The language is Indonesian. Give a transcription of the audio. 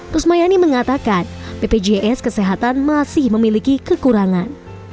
kusmayani mengatakan bpjs kesehatan masih memiliki kekurangan